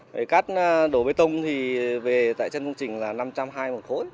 về cát đổ bê tông thì về tại chân công trình là năm trăm hai mươi một khối